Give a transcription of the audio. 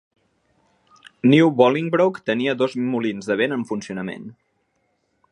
New Bolingbroke tenia dos molins de vent en funcionament.